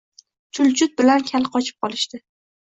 Chulchut bilan Kal qochib qolishdi…